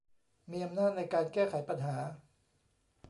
มีอำนาจในการแก้ไขปัญหา